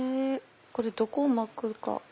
これどこを巻くか。